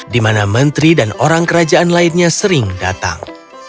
di mana menteri dan orang kerajaan lainnya sering datang